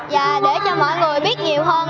và để cho mọi người biết nhiều hơn